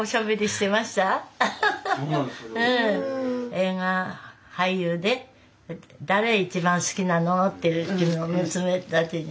映画俳優で誰一番好きなのって言うの娘たちに。